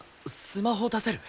スマホ出せる？